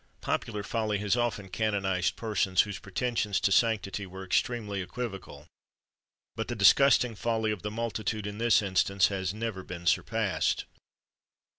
Popular folly has often canonised persons whose pretensions to sanctity were extremely equivocal; but the disgusting folly of the multitude, in this instance, has never been surpassed.